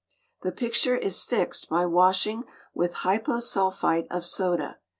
The picture is fixed by washing with hyposulphite of soda.